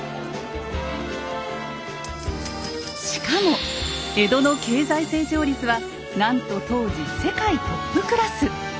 しかも江戸の経済成長率はなんと当時世界トップクラス！